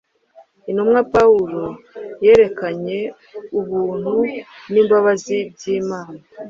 intumwa Pawulo yerekanye ubuntu n’imbabazi by’Imana